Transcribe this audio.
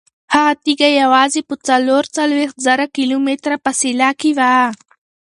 هغه تیږه یوازې په څلور څلوېښت زره کیلومتره فاصله کې وه.